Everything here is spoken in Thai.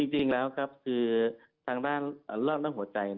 จริงแล้วครับคือทางด้านหัวใจ